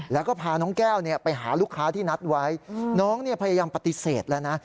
แล้วก็พาน้องแก้วไปหาลูกค้าที่นัดไว้น้องพยายามปฏิเสธแล้วนะ